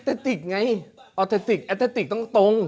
อิศเลสสิกไงอิศเลสสิกต้องตรง